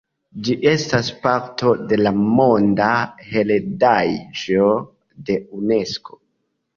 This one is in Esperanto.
Ĝi estas parto de la Monda heredaĵo de Unesko.